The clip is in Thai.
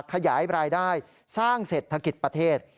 ขยายรายได้สร้างเศรษฐกิจประเทศ